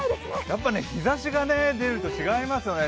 やっぱり日ざしが出ると違いますね。